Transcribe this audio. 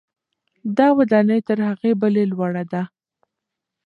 دا ودانۍ تر هغې بلې لوړه ده.